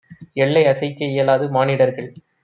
எள்ளை அசைக்க இயலாது. மானிடர்கள்